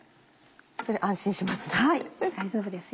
それ安心しますね。